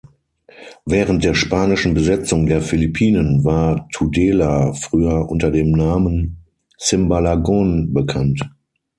Während der spanischen Besetzung der Philippinen war Tudela früher unter dem Namen Simbalagon bekannt.